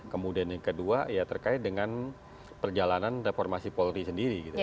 kemudian yang kedua ya terkait dengan perjalanan reformasi polri sendiri